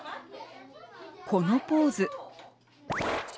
このポーズ。